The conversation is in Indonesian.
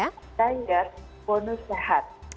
karena kita targetnya adalah diet bonus sehat